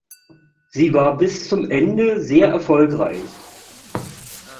Sie war bis zum Ende sehr erfolgreich.